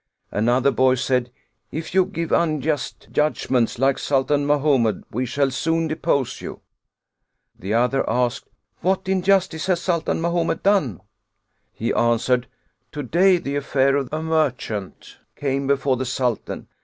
Another boy said: " If you give unjust judgments like Sultan Mahomed we shall soon depose you." The other asked: "What in justice has Sultan Mahomed done?" \ He answered: "To day the affair of a merchant came before the Sultan.